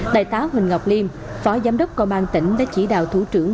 đại tá huỳnh ngọc liêm phó giám đốc công an tỉnh đã chỉ đạo thủ trưởng